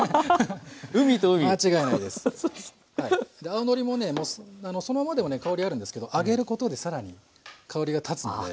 青のりもねそのままでも香りあるんですけど揚げることで更に香りがたつので。